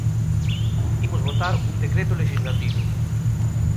Imos votar un decreto lexislativo.